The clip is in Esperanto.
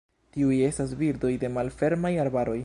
Tiuj estas birdoj de malfermaj arbaroj.